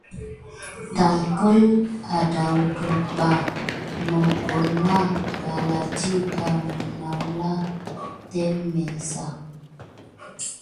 Gewedi tampak adawdukumbà mokone nà ɗalà ɗiɗa nalan ɗefe ɗemte.